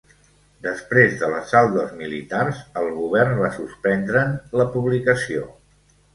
Després de l'assalt dels militars, el Govern va suspendre'n la publicació.